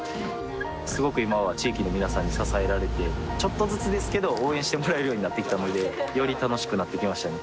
すごく今は地域の皆さんに支えられてちょっとずつですけど応援してもらえるようになってきたのでより楽しくなってきましたね